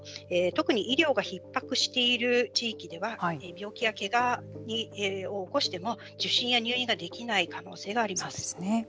特に医療がひっ迫している地域では病気やけがを起こしても受診や入院ができない可能性があります。